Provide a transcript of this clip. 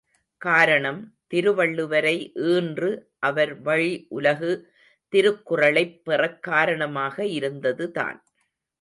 காரணம் திருவள்ளுவரை ஈன்று அவர் வழி உலகு திருக்குறளைப் பெறக் காரணமாக இருந்ததுதான்.